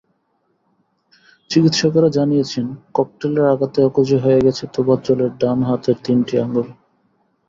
চিকিৎসকেরা জানিয়েছেন, ককটেলের আঘাতে অকেজো হয়ে গেছে তোফাজ্জলের ডান হাতের তিনটি আঙ্গুল।